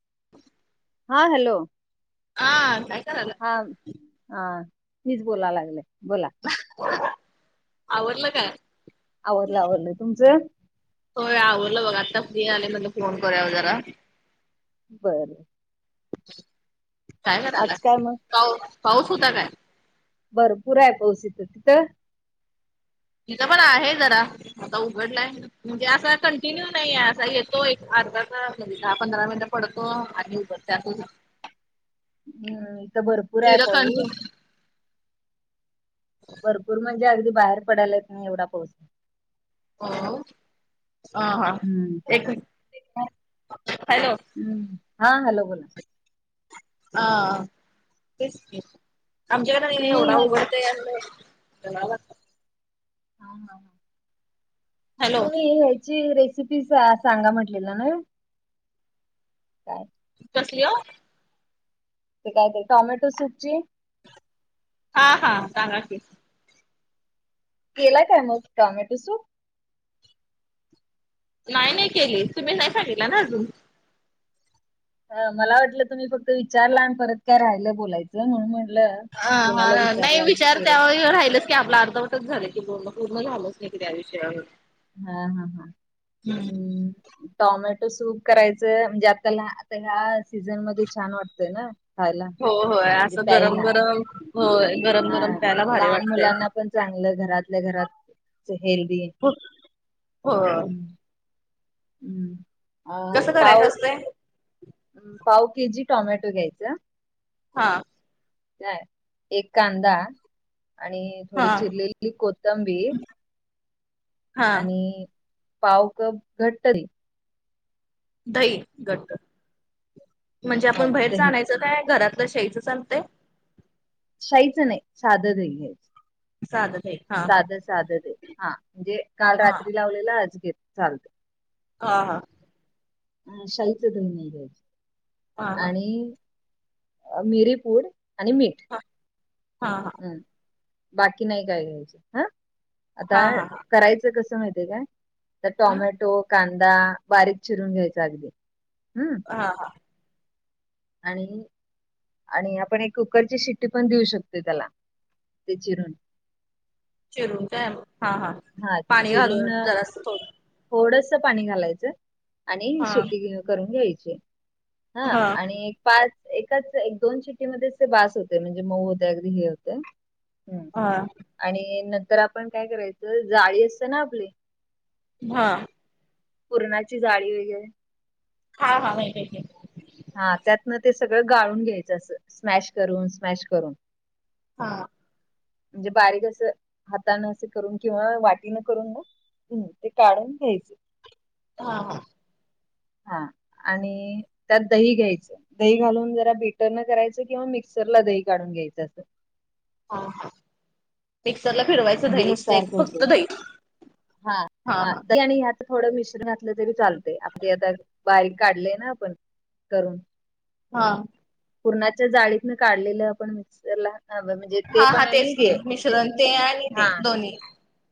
[inaudible] हा, हॅलो. हा काय करतेय. हा, हा मीच बोला लागले बोला. आवरल काय. आवरलं आवरलं तुझ. होय आवरलं बघ आत्ता फ्री आले, म्हणल फोन करूया जरा. बरं. काय करालाय. आज काय मग पाऊ, पाऊस होता काय. भरपुर आहे पाऊस इथं, तिथं इथ पण आहे जरा, आता उघडलाय. म्हणजे असं कंटिन्यू नाहीे. असा येतो एक अर्धा तास म्हणजे दहा पंधरा मिनिटं पडतो आणि उतरतो. त्या खुप हम्, इथं भरपूर आहे तिला पाऊस. कंटिन्यू भरपूर म्हणजे अगदी बाहेर पडायला येत नाही, एवढा पाऊस. हो, हं हा, हम्म एक मिनिट, हॅलो. हम्म हा, हॅलो, बोला. हा तेच कि, आमच्याकडे तुम्ही एवढा ह्याच उघडतोय. आणि तेच कि [unintelligible] ॐ नम नम हॅलो तुम्ही ह्याची रेसिपी सांगा म्हटलेला ना? काय? कसली ओ? ते काय ते, टॉमॅटो सूपची. हा हा सांगा कि. केलाय काय मग टॉमॅटो सूप? नाही नाही केली, तुम्ही नाही सांगीतला ना अजून. हं मला वाटलं तुम्ही फक्त विचारला आणि परत काय राहिलं बोलायचं म्हणून म्हणलं हा हा नाही विचारते आवो राहिलं की आपला अर्धवटच झालं की बोलणं, पूर्ण झालच नाही कि त्या विषयावर. हा हा हम्म टोमॅटो सूप करायचं म्हणजे आताला आता ह्या सीझन मध्ये छान वाटतय ना. खायला. हो होय म्हणजे असं गरम प्यायला गरम होय गरम हा गरम प्यायला आणि भारी लहान वाटतंय. मुलांना पण चांगलं, घरातल्या घरात हेल्दी. हो होय हम् कसं करायचं असतंय? पाव केजी टॉमॅटो घ्यायचा. हा. एक कांदा आणि हा थोडी चिरलेली कोथंबीर हा आणि पाव कप घट्टरी दही घट्ट, म्हणजे हा, आपण बाहेरचं दही आणायचं काय घरातलं शायचं चालतंय. शाहीच नाही साध दही घ्यायचं. साधं दही हा साधं साधं दही, म्हणजे काल हा रात्री लावलेला आज घेत चालतं. हा हा. अ शाहीचं दही नाही घ्यायचं. हा हा आणि मिरीपूड आणि मीठ. हा हा हम् बाकी नाही काय घ्यायचे हां. आता हा हा करायचं कसं माहिती काय? तर टोमॅटो कांदा बारीक चिरून घ्यायचा अगदी हम्म. हा हा. आणि आणि आपण एक कुकरची शिट्टी पण देऊ शकतो त्याला ते चिरून. चिरून काय? हा हा पाणी घालून जरासं थोडं. थोडसं पाणी घालायचं आणि हा शिट्टी करून घ्यायची. हा आणि पाच एकाच एक दोन चिटीमध्ये ते बास होते. म्हणजे मऊ होते अगदी हे होते. हम्म. हा. आणि नंतर आपण काय करायचं, जाळी असते ना आपली? हा. पुरणाची जाळी वगैरे [unintelligible] हा, त्यातन ते सगळं गाळून घ्यायचं अस स्मॅश करून स्मॅश करून. हा, म्हणजे बारीक अस हातानं असं करून किंवा वाटीनं करून घ्या. हम्, ते काढून घ्यायचं. हा हा, हा, आणि त्यात दही घ्यायचं. दही घालून जरा बीटर न करायचं किंवा मिक्सर ला दही काढून घ्यायचं असं. हा हा, मिक्सरला फिरवायचं दही म्हणजे नुसते एकसारखं होतंय. फक्त दही. हा हा, आणि आता थोडं मिश्रण घातलं तरी चालते आपली आता बायक. काढलेय ना आपण करून. हा, पूर्णाच्या जाळीतन काढलेलं आपण मिक्सरला म्हणजे. ते हा हा पण आणि तेच हे की म्हणजे मिश्रण ते आणि हा, ते दोन्ही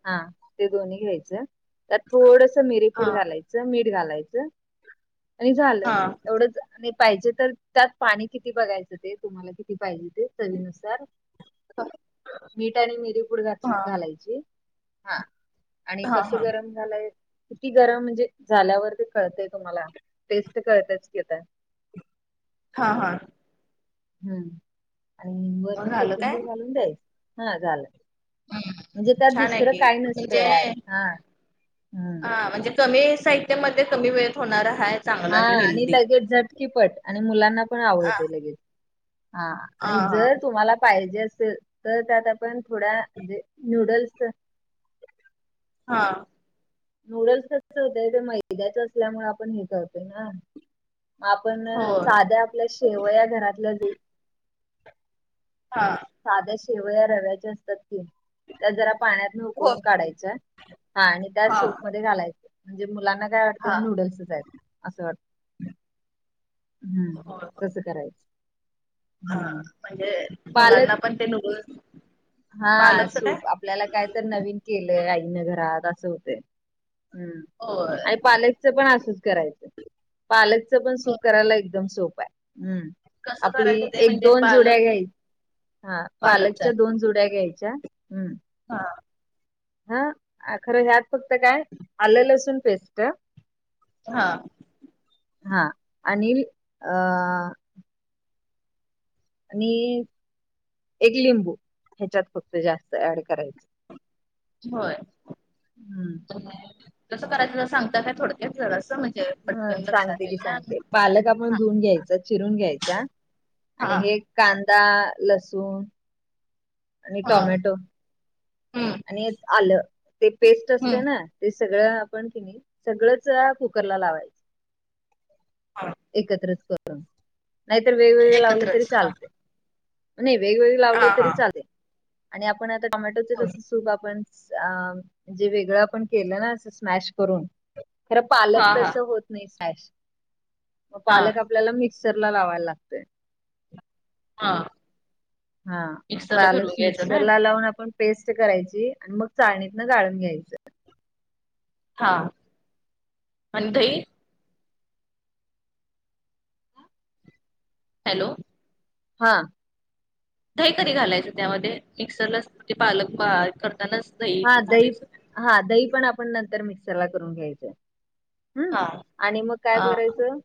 हा, ते दोन्ही घ्यायचं त्यात थोडस हा मिरेपूड घालायचं. च मीठ घालायचं आणि झालं. हा एवढंच आणि पाहिजे तर त्यात पाणी किती बघायचं ते तुम्हाला. किती पाहिजे ते चवीनुसार. मीठ आणि मिरीपूड घात हा घालायची हा, आणि हा कसं हा गरम. झाय किती गरम म्हणजे झाल्यावर ते कळतय तुम्हाला टेस्ट कळतयच की, आता. हा हा, हम्म, आणि मग वरण झालं काय कोथिंबीर घालून द्यायस हा झालंच. हम्म म्हणजे त्यात छान आहे दुसरं की काय नसतं म्हणजे ऍड हा हम्म हा म्हणजे कमी साहित्यामध्ये कमी वेळेत होणार आहेत. हा, आणि लगेच झटकीपट आणि मुलांना पण हा आवडते लगेच. हा, आणि जर तुम्हाला पाहिजे असेल. तर त्यात आपण थोड्याे मजे न्यूडल्स. हा, नूडल्स कस होतेय ते मैद्याच असल्यामुळे आपण हे करतोय ना. आपण होय साध्या आपल्या शेवया घरातल्या जाई. हा, साध्या शेवया रव्याचे असतात की, त्या जरा पाण्यात न हो उकळून काढायच्या हा, आणि त्या हा सोप मध्ये घालायच. म्हणजे मुलांना काय वाटतं हे हा नूडल्सच आहेत. असं वाटत हम्म, हो तस करायचं. हा, हम्म म्हणजे पालक मुलांना पण ते नुडल्स. हा, सूप आपल्याला काय तर नवीन केलंय आईन घरात असं होतं. हम्म, होय. आणि पालकच पण असंच करायचं पालक. त पण हो सुप करायला एकदम सोप आहे. हम्म, कसं आपली करायचं ते एक म्हणजे दोन जुड्या पालक घ्याय हा, पालकचा पालकच्या दोन जुड्या. त्याघ्याच्या हम्म, हा, हा, खरं ह्यात फक्त काय आलं लसूण पेस्ट. हा, हा आणि अ, आणि एक लिंबू ह्याच्यात फक्त जास्त ऍड करायच. होय. हं. कसं करायचं? जरा सांगता काय थोडक्यात जरासं? म्हण हं सांगते की सांगते. पालक आपण धुवून घ्यायचा, चिरून घ्यायचा आणि हा हे कांदा, लसूण, आणि हा टोमॅटो, हम्म आणि आलं ते पेस्ट असते हम्म ना, ते सगळं आपण की नाही सगळंच कुकरला लावायचं. हा एकत्रच करून. नाहीतर वेगवेगळे लावलं तरी एकत्रच हा चालते. नाही वेगवेगळ हा लावलं तरी हा चालेल. आणि आपण आता टोमॅटोच होय. कस सूप आपण अ म्हणजे वेगळं आपण केलं ना अस स्मॅश करून, खर हा पालक हा तस होत नाही स्मॅश. म हा पालक आपल्याला मिक्सरला लावायला लागतय. हा. हां. मिक्सरला पालक फिरवून घ्यायचं मिक्सर काय ला लावून आपण‌ पेस्ट करायची आणि मग चाळणीतन गाळून घ्यायचं. हा आणि दही हॅलो, हा. दही कधी घालायचं त्यामध्ये? मिक्सरला म्हणजे पालक ब हे करतानाच. हा पण दही, घालायचं. हा दही पण आपण नंतर मिक्सरला करून घ्यायचंय. हं. हा आणि मग काय हा करायचं?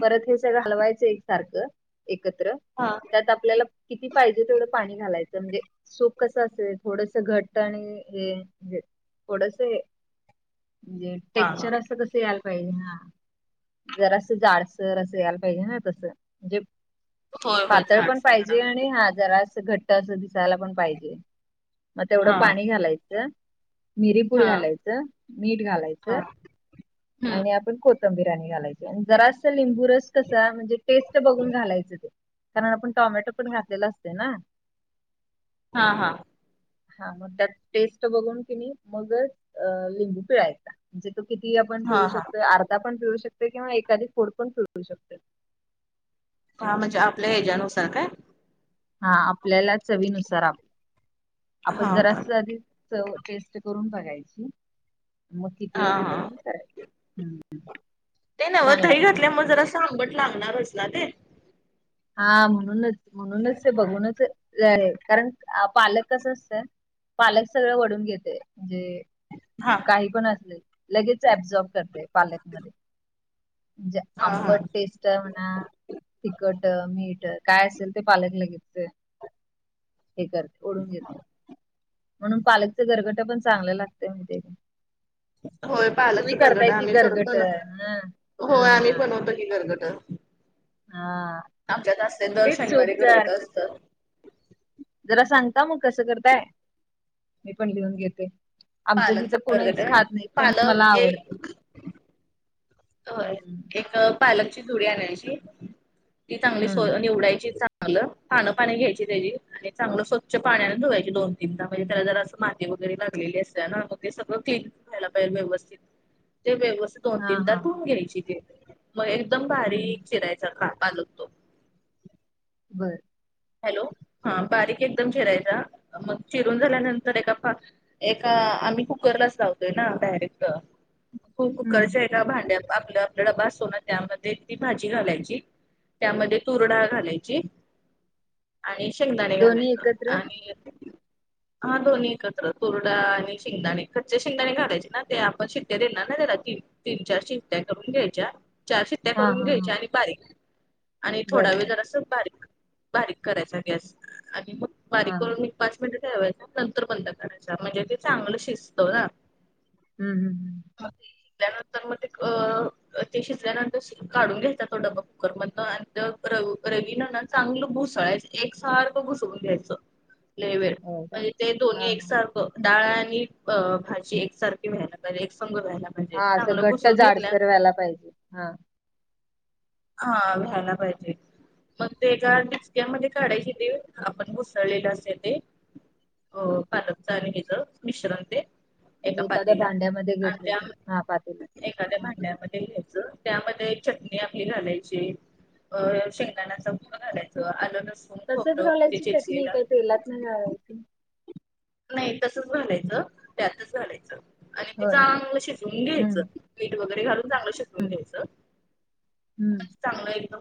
परत हे सगळं हलवायचं एक सारखं, एकत्र. हा. त्यात आपल्याला किती पाहिजे तेवढं पाणी घालायचं. म्हणजे सूप कसं असेल थोडस घट आणि [inaudible] थोडस हे म्हणजे हा टेक्चर अस कस या ला पाहिजे हा. जरा असं जाडसर असं यायला पाहिजे ना. तसं. म्हणजे होय होय पातळ पण जाडसर पाहिजे करावं. आणि हा जरा असं घट्ट अस दिसायला पण पाहिजे. मग तेवढं हा पाणी घालायचं. मिरीपूड हा घालायचं, मीठ हा घालायचं. हम्म आणि आपण कोथंबीर आणि घालायची. आणि जरा अस लिंबू रस कसा म्हणजे टेस्ट बघून घालायचं ते. कारण आपण टोमॅटो पण घातलेला असते ना. हां हां. हा मग त्यात टेस्ट बघून कि नी मगच अ लिंबू पिळायचा. म्हणजे तो किती आपण हा पिळू हा शकतो? अर्धा पण पिळू शकतो किंवा एखादी फोड पण पिळू शकतोय. हा म्हणजे आपल्या ह्याच्यानुसार काय? हा आपल्याला चवीनुसार. आप हा आपण हा. जरास आधी चव टेस्ट करून बघायची. म किती हा आहे ते हा बघून करायची. हं, छान लागते. त आंबट लागणारच ना ते. हा म्हणूनच. म्हणूनच ते बघूनच काय कारण पालक कस असत पालक सगळं वढून घेते. म्हणजे हा. काही पण असले लगेच ऍब्झॉर्ब करते पालकमध्ये. म्हणजे हा हा आंबट टेस्ट आहे म्हणा, तखट त मीठ काय असेल ते पालक लगेच. हे करते ओढून घेत म्हणून पालकच घरगटा पण चांगलं लागत माहिती काय. होय [inaudible] पालकच तुम्ही गरगट करताय की, आम्ही करतो घरगट ना हं होय आम्ही ह, बनवतो की गरगट. हा, आमच्यात असते दर तेच शनिवारी सूपच गरगट सारखं असतात. जरा सांगता मग कसं करताय मी पण लिहून घेते. आमच्या तिथं पालकचा गरगट कोुणीच व्हय. खात नाही पण मला पालक एक आवडते. होय हम्म एक पालकची जुडी आणायची ती चांगली स हम्म निवडायची चांगली. चांगलं पानं पाणी घ्यायची त्याची. आणि चांगलं स्वच्छ पाण्याने धुवायची दोन तीनदा म्हणजे त्याला जर असं माती वगैरे लागलेली असत ना मग ते सगळं क्लीन. ह्याला पाहिल व्यवस्थित ते व्यवस्थित दोन हा तीन. हा हा घ्यायची ते मग एकदम हम्म बारीक चिरायचा का पालकतो. बरं. हॅलो हा बारीक एकदम चिरायचा मग चिरून झाल्यानंतर एका पा ''--'' एका आम्ही कुकरलाच लावतोय ना डायरेक्ट हम्म कुकरच्या ए ''--'' त्या भांड्या आप आपला डबा असतो ना त्यामध्ये ती भाजी घालायची. त्यामध्ये तुरडा डाळ घालायची. आणि शेकदाणे दोन्ही घालायच एकत्रच आणि. हा दोन्ही एकत्र तुरडा डाळ आणि शेंगदाणे कच्चे शेंगदाणे काढायचे ना ते आपण शिट्टे देणार ना त्याला तीन. तीन चार शिट्या करून घ्यायच्या. चार शिट्ट्या हा करून हा हा घ्यायच्या आणि बारीक आणि बर थोडा वेळ बर जरास बारीक. बारीक करायचा गॅस आणि मग हा बारीक हा करून मी'' पाच मिनिट ठेवायचं नंतर बंद करायचा म्हणजे ते चांगलं शिजत ना. हम हम. बाकी. शिजल्यानंतर मग ते अ ते शिजल्यानंतर काढून घ्यायचं तो डब्बा कुकर मधन आणि. त रवी रवीना ना चांगलं घुसळायचं. ळायचं एक सारखं घुसवून घ्यायचं लय वेळ हो का म्हणजे ते दोन्ही हा हा एकसारख. त डाळ आणि अ भाजी एकसारखी व्यायला पाहिजे एक संघ व्यायला. हा, असं घट्ट जाडसर व्हायला पाहिजे हा. हा, घ्यायला पाहिजे मग ते एका हम्म टिचक्यामध्ये. काढायचं ते आपण घसळलेलं असे ते अ हम्म. पालकच आणि हिच. मिश्रण ते. एका म्हणजे एखाद्या पातील भांड्यामध्ये आणि घेतलं त्या तर हा पातेल्यात [inaudible] एखाद्या भांड्यामध्ये घ्यायचं. ज त्यामध्ये चटणी आपली. हे घालायचं शेंगदाणच कुट घालायच अल्ल लसूण. तसच खोबरं ते घालायची चटणी चेचलेलं काही तेलात घालायची. नाही तसच घालायचं त्यातच घालायचं आणि तिचं होय चांगलं शिजवून घ्यायचं. मीठ वगैरे घालून चांगलं शिजवून. हा घ्यायचं हम्म, चांगलं एकदम.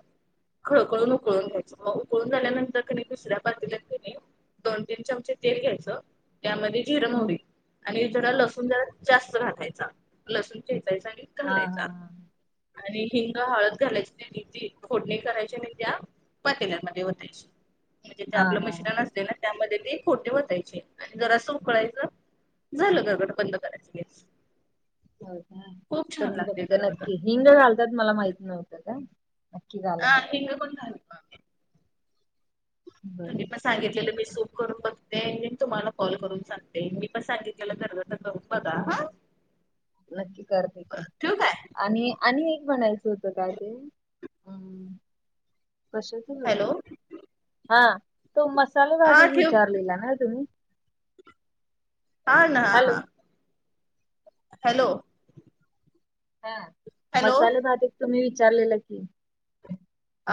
खळकळून उकळून घ्यायचं मग उकळून झाल्यानंतर कणी दुसऱ्या पातीलात कणीय. दोन तीन चमचे तेल घ्यायचं. त्यामध्ये जिर हम्म मोरी आणि जरा लसून जरा जास्त घालायचं लसूण खेचायचा आणि. हा घालायचा हा हा आणि हिंग हळद घालायची फोडणी करायची आणि त्या पटेल्यामध्ये वतायचे म्हणजे ते हा आपलं हा हा मिश्रण असते ना त्यामध्ये ते खोटे वतायचे जरा असं उकळायचं झालं घरगड बंद करायचं गॅस. हो का खूप छान करून लागते बघते बरोबर. नक्की हिंग घालतात मला माहित नव्हतं का नक्की आ घालेन हिंग पण घालतात. बर तुम्ही पण सांगितलेलं मी सूप करून बघते तुम्हाला कॉल करून सांगते मी पण सांगितलेलं गरफट नक्की करते की ठेवू काय? आणि आणि एक म्हणायचं होतं का ते अम कशाच बरं हॅलो हा तो मसाले हा बारीक ठेव विचारलेला ना तुम्ही? हा ना हॅलो हॅलो हा हॅलो मसाले भात एक तुम्ही विचारलेला की.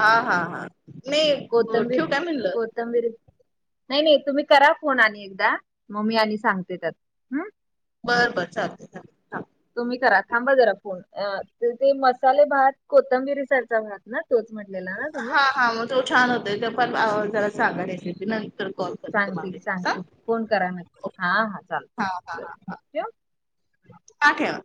आ हा हा नाही कोथिंबीर ठेवू काय कोथिंबीर म्हणलं कोथांबिरी नाही नाही तुम्ही करा फोन आणि एकदा मग मी आणि सांगते त्यात बरं बरं चालतंय चालतंय. तुम्ही करा थांबा जरा फोन ते मसाले भात कोथिबीरसरचा भात ना तोच म्हणलेला ना तुम्ही? हा हा मग जो छान होतंय तो पण आवडला तर सांगा रेसिपी नंतर कॉल करते सांगते तुम्हाला. सांगते हा फोन करा मग हा हा चालतंय हा हा बरं. हा ठेवा.